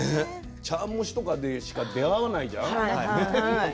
茶わん蒸しとかしか出会わないじゃん？